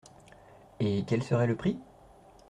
Et… quel serait le prix ?